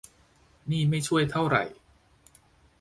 นี่ไม่ช่วยเท่าไหร่